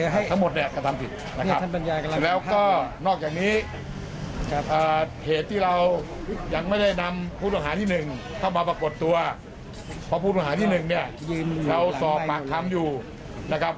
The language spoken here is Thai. หลังทำการสอบสวนก็อยู่นะครับ